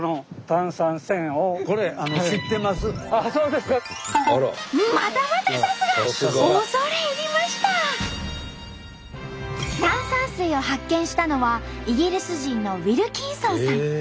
炭酸水を発見したのはイギリス人のウィルキンソンさん。